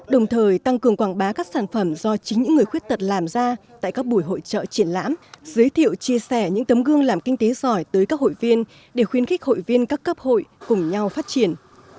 đồng thời tăng cường quảng bá các sản phẩm do chính những người khuyết tật làm ra tại các buổi hội trợ triển lãm giới thiệu chia sẻ những tấm gương làm kinh tế giỏi tới các hội viên để khuyến khích hội viên các cấp hội cùng nhau phát triển